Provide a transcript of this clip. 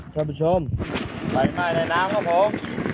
ท่านผู้ชมไฟไหม้ในน้ำครับผม